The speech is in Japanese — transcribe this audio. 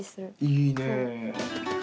いいね。